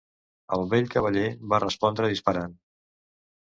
El vell cavaller va respondre disparant.